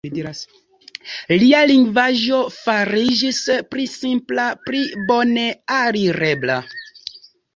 Lia lingvaĵo fariĝis pli simpla, pli bone alirebla.